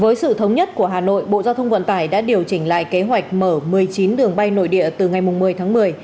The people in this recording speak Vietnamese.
với sự thống nhất của hà nội bộ giao thông vận tải đã điều chỉnh lại kế hoạch mở một mươi chín đường bay nội địa từ ngày một mươi tháng một mươi